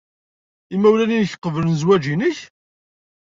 Imawlan-nnek qeblen zzwaj-nnek?